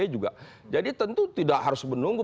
juga jadi tentu tidak harus menunggu